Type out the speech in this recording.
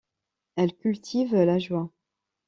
Elle cultive la joie.